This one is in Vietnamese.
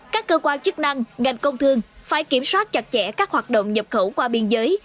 các cơ quan chức năng ngành công thương phải kiểm soát chặt chẽ các hoạt động nhập khẩu qua biên giới